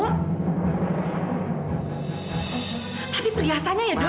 tapi periasannya ya do